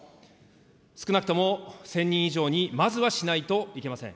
少なくとも１０００人以上に、まずはしないといけません。